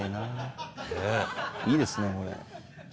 いいですねこれ。